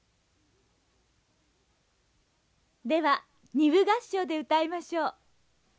では二部合唱で歌いましょう。